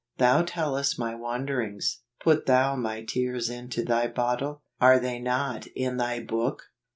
" Thou tellest my wanderings: put thou my tears into thy bottle: are they not in thy book